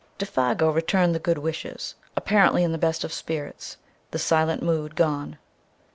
_" Défago returned the good wishes, apparently in the best of spirits, the silent mood gone.